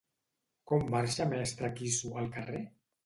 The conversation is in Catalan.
Com marxa Mestre Quissu al carrer?